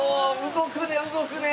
動くね動くね！